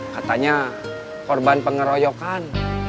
katanya korban pengeroyokan